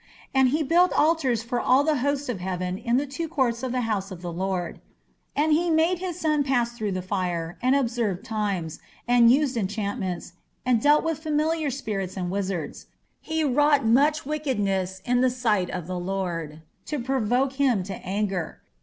And he built altars for all the host of heaven in the two courts of the house of the Lord. And he made his son pass through the fire, and observed times, and used enchantments, and dealt with familiar spirits and wizards: he wrought much wickedness in the sight of the Lord, to provoke him to anger.